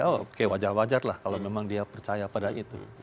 ya oke wajar wajar lah kalau memang dia percaya pada itu